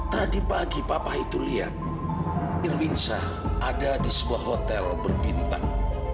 tadi pagi papa itu lihat irwin syah ada di sebuah hotel berbintang